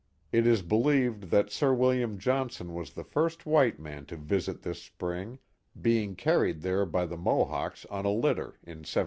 It is believed that Sir William Johnson was the first white man to visit this spring, being carried there by the Mohawks on a litter in 1767.